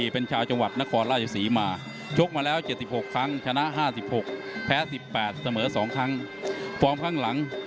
พร้อมข้างหลัง